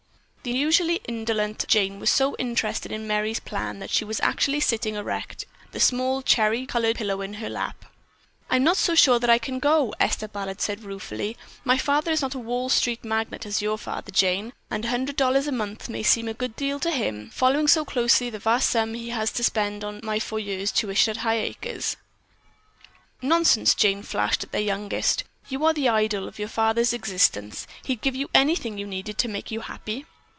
The usually indolent Jane was so interested in Merry's plan that she was actually sitting erect, the small cherry colored pillow in her lap. "I'm not so sure that I can go," Esther Ballard said ruefully. "My father is not a Wall Street magnate as is your father, Jane, and $100 a month may seem a good deal to him, following so closely the vast sum that he has had to spend on my four years' tuition at Highacres." "Nonsense," Jane flashed at their youngest. "You are the idol of your artist father's existence. He'd give you anything you needed to make you happy."